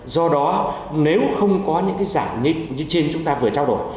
do đó nếu không có những cái giảm như trên chúng ta vừa trao đổi